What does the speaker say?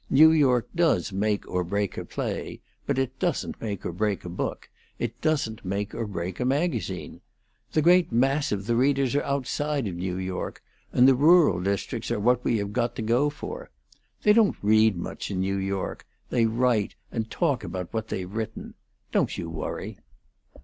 New York does make or break a play; but it doesn't make or break a book; it doesn't make or break a magazine. The great mass of the readers are outside of New York, and the rural districts are what we have got to go for. They don't read much in New York; they write, and talk about what they've written. Don't you worry."